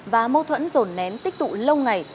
và mâu thuẫn rồn nén tích tụ lâu ngày